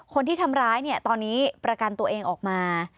คนที่ทำร้ายเนี่ยตอนนี้ประกันตัวเองออกมา